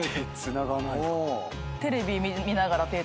テレビ見ながら手。